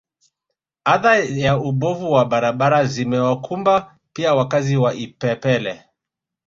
Adha ya ubovu wa barabara zimewakumba pia wakazi wa Ipepele